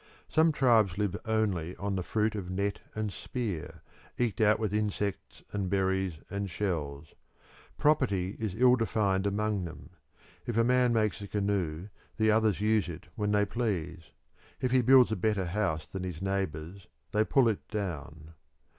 Some tribes live only on the fruit of net and spear, eked out with insects and berries and shells. Property is ill defined among them; if a man makes a canoe the others use it when they please; if he builds a better house than his neighbours they pull it down.